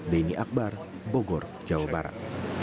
denny akbar bogor jawa barat